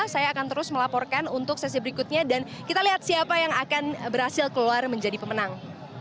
saya akan terus melaporkan untuk sesi berikutnya dan kita lihat siapa yang akan berhasil keluar menjadi pemenang